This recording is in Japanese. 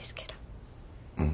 うん。